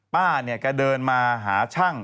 ป้าเนี่ยแกเดินมาหาช่าง